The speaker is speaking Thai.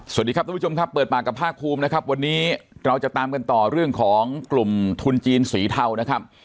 สวัสดีครับทุกผู้ชมครับเปิดปากกับภาคภูมินะครับวันนี้เราจะตามกันต่อเรื่องของกลุ่มทุนจีนสีเทานะครับ